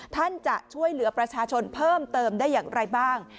ท่านจะช่วยเหลือประชาชนเพิ่มเติมได้อย่างไรบ้าง